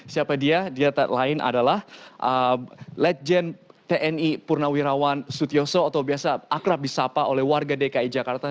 siapa dia dia lain adalah legend tni purnawirawan sutyoso atau biasa akrab di sapa oleh warga dki jakarta